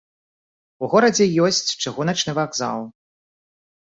У горадзе ёсць чыгуначны вакзал.